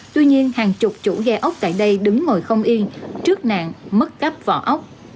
tuy nhiên hàng chục chủ ghe ốc tại đây đứng ngồi không yên trước nạn mất cắp vỏ ốc